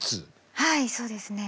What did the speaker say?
はいそうですね。